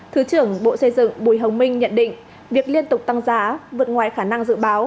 thứ trưởng bộ xây dựng bùi hồng minh nhận định việc liên tục tăng giá vượt ngoài khả năng dự báo